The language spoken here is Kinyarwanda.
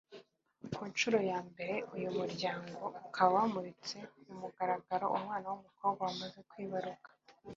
Ku nshuro ya mbere uyu muryango ukaba wamuritse ku mugaragaro umwana w’umukobwa bamaze kwibaruka